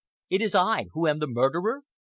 It is I who am the murderer'?